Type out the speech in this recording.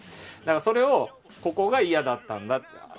それをここが嫌だったんだとか